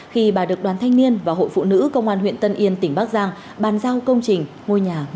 khi bà được đoàn thanh niên và hội phụ nữ công an huyện tân yên tỉnh bắc giang bàn giao công trình ngôi nhà một mươi chín tháng tám